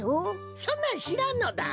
そんなんしらんのだ！